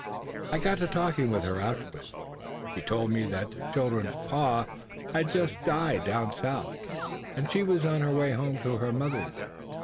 "I got to talkin' with her afterwards, and she told me that the children's paw had just died down South, and she was on her way home to her mother's.